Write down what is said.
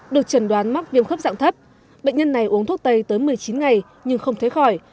được trần đoán mắc viêm khớp dạng thấp bệnh nhân này uống thuốc tây tới một mươi chín ngày nhưng không thấy khỏi